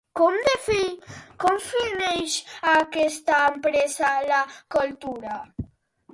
Com defineix aquesta empresa la cultura?